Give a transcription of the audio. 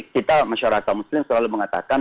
kita masyarakat muslim selalu mengatakan